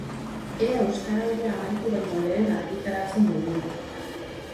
Ea Euskaraldia amaitu baino lehen argitaratzen dugun.